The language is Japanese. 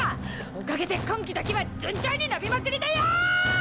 おかげで婚期だけは順調に延びまくりだよ！